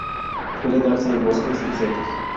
Suele darse en bosques y setos.